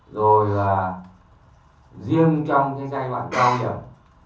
rồi là riêng trong cái giai đoạn cao biển